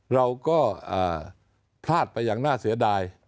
เราก็พลาดไปอย่างน่าเสียดาย